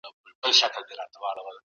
سول. مسعود د تاجکانو په منځ کي تر ټولو